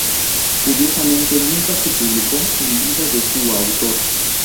Curiosamente, nunca se publicó en vida de su autor.